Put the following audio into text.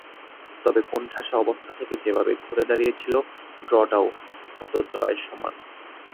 তবে কোণঠাসা অবস্থা থেকে যেভাবে ঘুরে দাঁড়িয়েছিল, ড্র-টাও হতো জয়ের সমান।